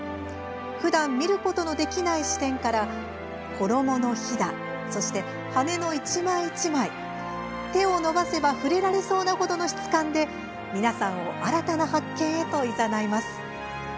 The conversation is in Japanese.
ふだん、見ることのできない視点から衣のひだ、そして羽根の一枚一枚手を伸ばせば触れられそうな程の質感で皆さんを新たな発見へといざないます。